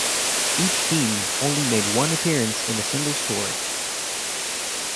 Each team only made one appearance in a single story.